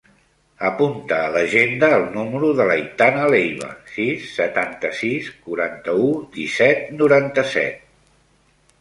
Apunta a l'agenda el número de l'Aitana Leiva: sis, setanta-sis, quaranta-u, disset, noranta-set.